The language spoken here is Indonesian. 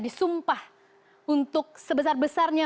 disumpah untuk sebesar besarnya